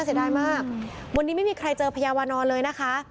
เสียดายมากวันนี้ไม่มีใครเจอพญาวานอนเลยนะคะ